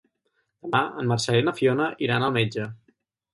Demà en Marcel i na Fiona iran al metge.